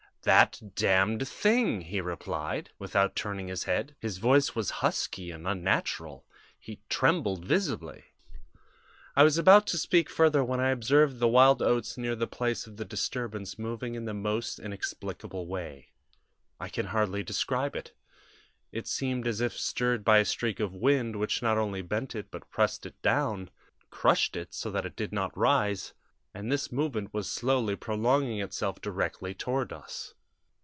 "'That Damned Thing!' he replied, without turning his head. His voice was husky and unnatural. He trembled visibly. "I was about to speak further, when I observed the wild oats near the place of the disturbance moving in the most inexplicable way. I can hardly describe it. It seemed as if stirred by a streak of wind, which not only bent it, but pressed it down crushed it so that it did not rise, and this movement was slowly prolonging itself directly toward us.